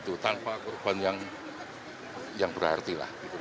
tanpa kerupaan yang berarti lah